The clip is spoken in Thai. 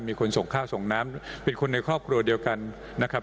มีคนส่งข้าวส่งน้ำเป็นคนในครอบครัวเดียวกันนะครับ